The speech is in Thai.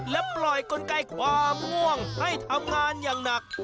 และปล่อยกลไกความง่วงให้ทำงานอย่างหนัก